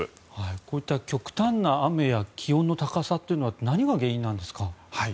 こういった極端な雨や気温の高さというのは何が原因なんですか？